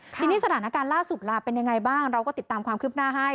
ทีนี้สถานการณ์ล่าสุดล่ะเป็นยังไงบ้างเราก็ติดตามความคืบหน้าให้